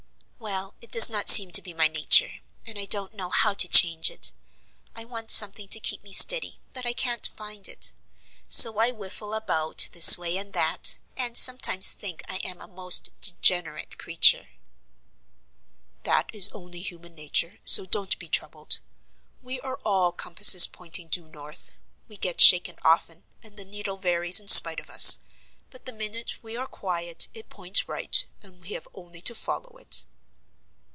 "Well, it does not seem to be my nature, and I don't know how to change it. I want something to keep me steady, but I can't find it. So I whiffle about this way and that, and sometimes think I am a most degenerate creature." "That is only human nature, so don't be troubled. We are all compasses pointing due north. We get shaken often, and the needle varies in spite of us; but the minute we are quiet, it points right, and we have only to follow it."